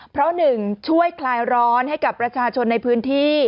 เพราะหนึ่งช่วยคลายร้อนให้กับประชาชนในพื้นที่